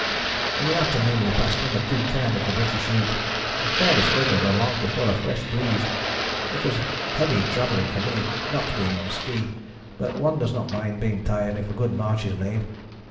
"In the afternoon we passed No. 2 cairn of the British route, and fairly slithered along before a fresh breeze. It was heavy travelling for me, not being on ski, but one does not mind being tired if a good march is made.